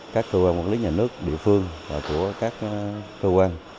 các cơ quan quản lý nhà nước địa phương của các cơ quan